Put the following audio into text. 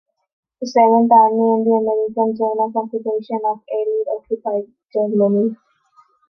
Seventh Army in the American Zone of Occupation of Allied-occupied Germany.